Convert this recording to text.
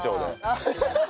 アハハハ。